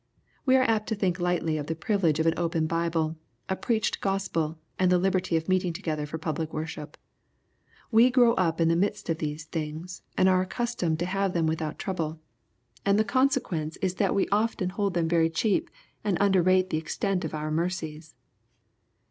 We are apt to think lightly of the privilege of an open Bible, a preacbed^ospel, and the liberty of meeting together for public worship. We grow up in the midst of these thJAgSi and are accustomed to have them without trouble. And the consequence is that we LUKE, CHAP. IV. 121 often hold them very cheap^ and underrate the extent of our mercies.